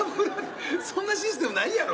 そんなシステムないやろ。